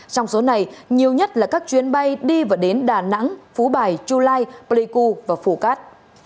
trong số này nhiều nhất là các chuyến bay đi và đến đà nẵng phú bài chu lai pleiku và phủ cát